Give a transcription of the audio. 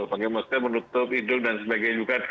pakai masker menutup hidung dan sebagainya juga